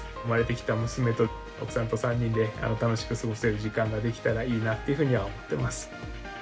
生まれてきた娘と、奥さんと３人で楽しく過ごせる時間ができたらいいなというふうには思っています。